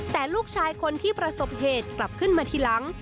แต่ลูกชายคนที่ประสบเหตุกลับขึ้นมาทีหลัง